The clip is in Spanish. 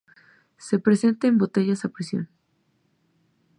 Se presenta en botellas a presión.